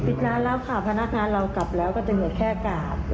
ปิดร้านแล้วค่ะพนักงานเรากลับแล้วก็จะเหลือแค่อากาศ